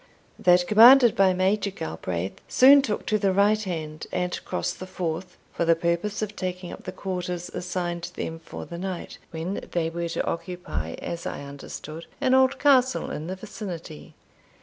That commanded by Major Galbraith soon took to the right hand, and crossed the Forth, for the purpose of taking up the quarters assigned them for the night, when they were to occupy, as I understood, an old castle in the vicinity.